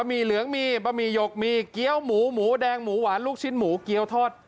ี่เหลืองมีบะหมี่หยกมีเกี้ยวหมูหมูแดงหมูหวานลูกชิ้นหมูเกี้ยวทอด